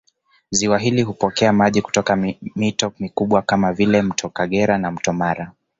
Ziwa hili hupokea maji kutoka mito mikubwa kama vile Mto Kagera na Mto Mara